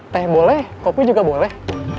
teh boleh kopi juga boleh